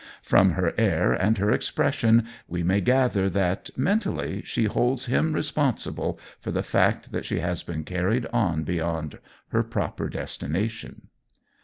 From her air and her expression, we may gather that, mentally, she holds him responsible for the fact that she has been carried on beyond her proper destination.